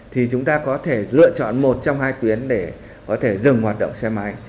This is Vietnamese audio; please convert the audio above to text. thì chúng ta có thể lựa chọn một trong hai tuyến để có thể dừng hoạt động xe máy